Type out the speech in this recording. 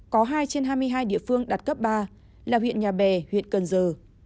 có hai trên hai mươi hai địa phương đạt cấp ba là huyện nhà bè huyện cần giờ